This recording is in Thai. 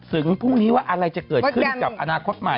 พรุ่งนี้ว่าอะไรจะเกิดขึ้นกับอนาคตใหม่